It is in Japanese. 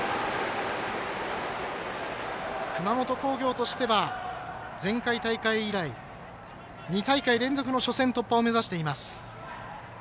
熊本工業としては前回大会以来２大会連続の初戦突破を目指しています。